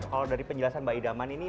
kalau dari penjelasan mbak idaman ini